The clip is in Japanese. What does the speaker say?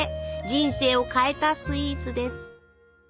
人生を変えたスイーツです。